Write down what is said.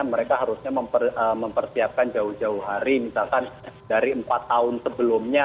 mereka harusnya mempersiapkan jauh jauh hari misalkan dari empat tahun sebelumnya